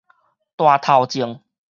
大頭症